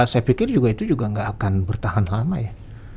saya pikir juga itu juga nggak akan bertahan lama ya